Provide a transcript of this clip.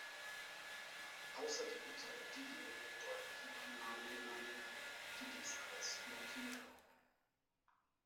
Außerdem sollen diejenigen deutlicher beim Namen genannt werden, die dies alles blockieren.